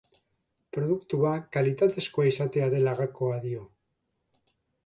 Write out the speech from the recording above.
Produktua kalitatezkoa izatea dela gakoa dio.